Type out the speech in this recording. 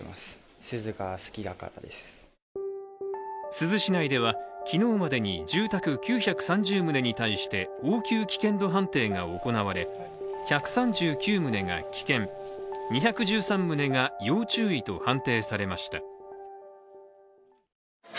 珠洲市内では昨日までに住宅９３０棟に対して応急危険度判定が行われ１３９棟が危険２１３棟が要注意と判定されました。